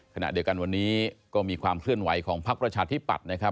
ขณะเดียวกันวันนี้ก็มีความเคลื่อนไหวของพักประชาธิปัตย์นะครับ